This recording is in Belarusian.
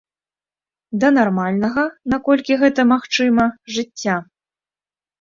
Да нармальнага, наколькі гэта магчыма, жыцця.